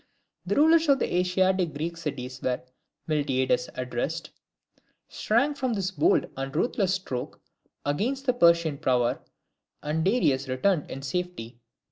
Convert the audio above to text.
The rulers of the Asiatic Greek cities whom Miltiades addressed, shrank from this bold and ruthless stroke against the Persian power, and Darius returned in safety.